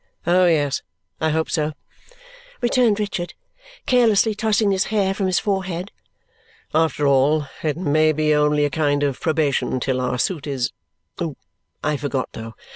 "Oh, yes, I hope so," returned Richard, carelessly tossing his hair from his forehead. "After all, it may be only a kind of probation till our suit is I forgot though.